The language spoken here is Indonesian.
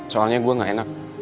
soalnya gue gak enak